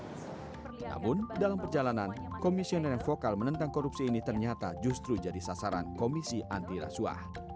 namun dalam perjalanan komisioner yang vokal menentang korupsi ini ternyata justru jadi sasaran komisi antirasuah